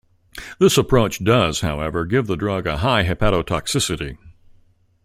This approach does, however, give the drug a high hepatotoxicity.